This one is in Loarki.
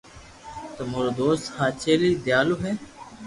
تمو رو دوست ھاچيلي ديالو ھي